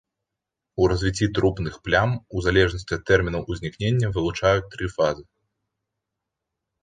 У развіцці трупных плям у залежнасці ад тэрмінаў узнікнення вылучаюць тры фазы.